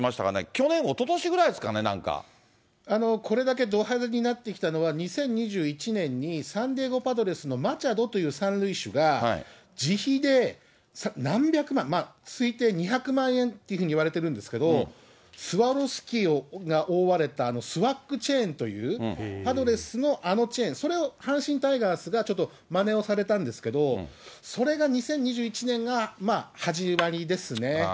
去年、これだけど派手になってきたのは、２０２１年にサンディエゴパドレスのマチャドという３塁手が、自費で何百万、推定２００万円っていうふうにいわれてるんですけど、スワロフスキーが覆われた、スワックチェーンというパドレスのあのチェーン、それを阪神タイガースがちょっとまねをされたんですけども、それが２０２１年が始まりですね。